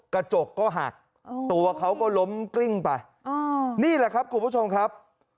กระจกก็หักตัวเขาก็ล้มกลิ้งไปนี่แหละครับคุณผู้ชมครับ